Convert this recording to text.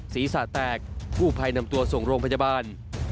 ศีรษะแตกกู้ภัยนำตัวส่งโรงพยาบาล